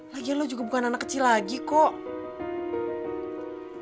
lagian lo juga bukan anak kecil lagi kok